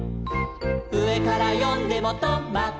「うえからよんでもト・マ・ト」